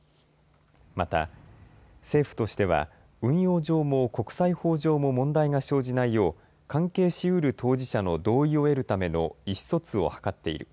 また、政府としては運用上も国際法上も問題が生じないよう関係しうる当事者の同意を得るための意思疎通を図っている。